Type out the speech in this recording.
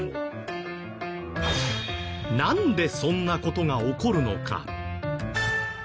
なんでそんな事が起こるのか？